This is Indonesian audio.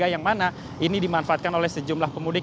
yang mana ini dimanfaatkan oleh sejumlah pemudik